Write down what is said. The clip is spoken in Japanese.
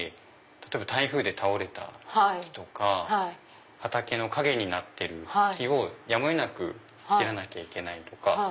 例えば台風で倒れた木とか畑の影になってる木をやむを得なく切らなきゃいけないとか。